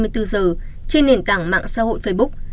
trên nền tảng mạng xã hội facebook